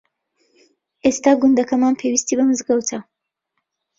ئێستا گوندەکەمان پێویستی بە مزگەوتە.